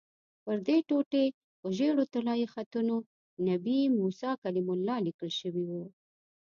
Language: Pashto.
پردې ټوټې په ژېړو طلایي خطونو 'نبي موسی کلیم الله' لیکل شوي وو.